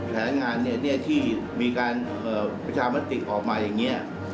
แผนงานที่มีการประชามติออกมาอย่างนี้